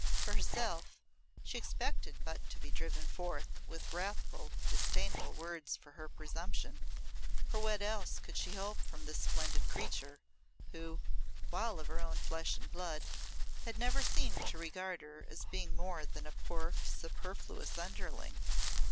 For herself, she expected but to be driven forth with wrathful, disdainful words for her presumption. For what else could she hope from this splendid creature, who, while of her own flesh and blood, had never seemed to regard her as being more than a poor superfluous underling?